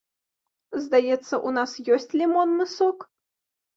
Здаецца, у нас ёсць лімонны сок?